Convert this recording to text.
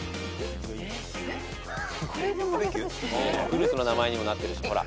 フルーツの名前にもなってるし。